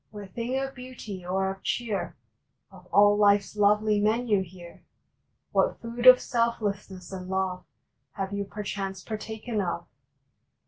What thing of beauty or of cheer Of all life s lovely menu here? What food of Selflessness and Love Have you perchance partaken of?